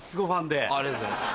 ありがとうございます。